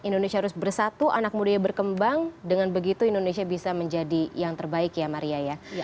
indonesia harus bersatu anak muda berkembang dengan begitu indonesia bisa menjadi yang terbaik ya maria ya